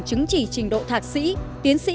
chứng chỉ trình độ thạc sĩ tiến sĩ